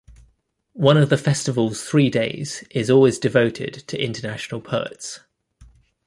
One of the festival's three days is always devoted to international poets.